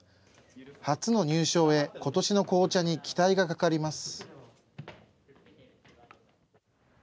初の入賞へ、ことしの紅茶に期待がかかります。